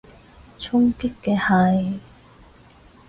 衝擊嘅係？